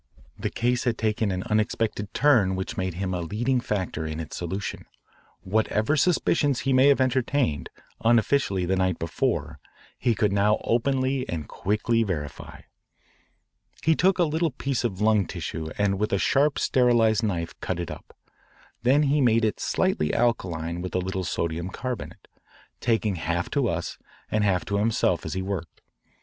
The case had taken an unexpected turn which made him a leading factor in its solution. Whatever suspicions he may have entertained unofficially the night before he could now openly and quickly verify. He took a little piece of lung tissue and with sharp sterilised knife cut it up. Then he made it slightly alkaline with a little sodium carbonate, talking half to us and half to himself as he worked.